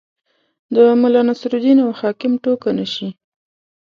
د ملا نصرالدین او حاکم ټوکه نه شي.